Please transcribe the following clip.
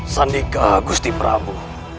sandika agusti prabu